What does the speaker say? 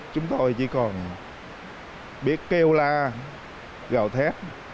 chúng tôi chỉ còn biết kêu la gào thét